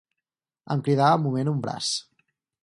Em cridava movent un braç